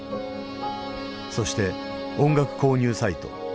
そして音楽購入サイト。